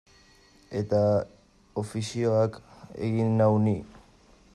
Eta ofizioak egin nau ni.